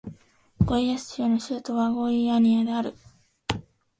ゴイアス州の州都はゴイアニアである